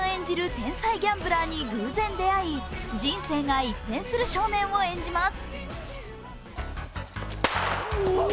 天才ギャンブラーに偶然出会い人生が一変する少年を演じます。